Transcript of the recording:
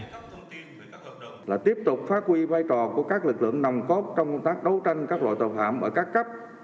đặc biệt là tiếp tục phát huy vai trò của các lực lượng nằm cốt trong công tác đấu tranh các loại tội phạm ở các cấp